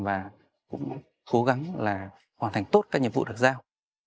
và cũng cố gắng là hoàn thành tốt các nhiệm vụ được giao